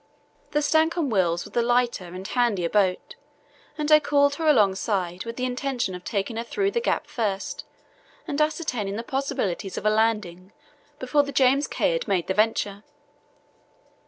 The Stancomb Wills was the lighter and handier boat—and I called her alongside with the intention of taking her through the gap first and ascertaining the possibilities of a landing before the James Caird made the venture.